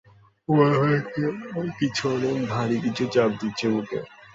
মনে হয় কিছু অনেক ভাড়ি কিছু চাপ দিচ্ছে বুকে।